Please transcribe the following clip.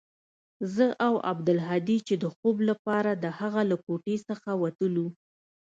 زه او عبدالهادي چې د خوب لپاره د هغه له کوټې څخه وتلو.